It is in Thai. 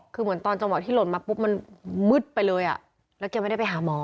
คือเหมือนตอนจังหวะที่หล่นมาปุ๊บมันมืดไปเลยอ่ะแล้วแกไม่ได้ไปหาหมอ